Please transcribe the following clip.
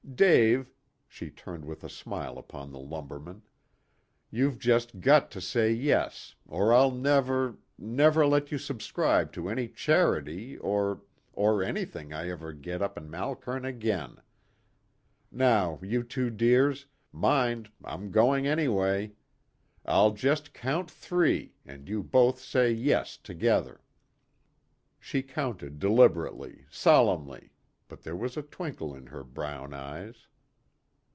Dave," she turned with a smile upon the lumberman, "you've just got to say 'yes,' or I'll never never let you subscribe to any charity or or anything I ever get up in Malkern again. Now you two dears, mind, I'm going anyway. I'll just count three, and you both say 'yes' together." She counted deliberately, solemnly, but there was a twinkle in her brown eyes.